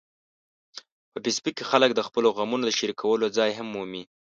په فېسبوک کې خلک د خپلو غمونو د شریکولو ځای هم مومي